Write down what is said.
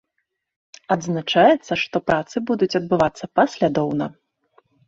Адзначаецца, што працы будуць адбывацца паслядоўна.